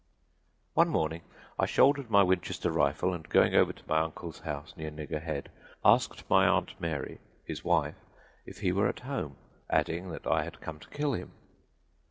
"One morning I shouldered my Winchester rifle, and going over to my uncle's house, near Nigger Head, asked my Aunt Mary, his wife, if he were at home, adding that I had come to kill him.